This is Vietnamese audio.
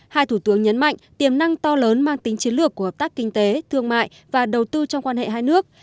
hai thủ tướng nhấn mạnh tiềm năng to lớn mang tính chiến lược của hợp tác kinh tế thương mại và đầu tư trong quan hệ hai nước